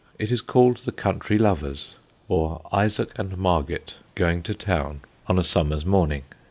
It is called "The Country Lovers; or, Isaac and Marget going to Town on a Summer's Morning."